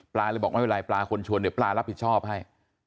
เลยบอกไม่เป็นไรปลาคนชวนเดี๋ยวปลารับผิดชอบให้